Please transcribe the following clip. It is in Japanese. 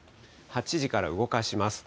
８時から動かします。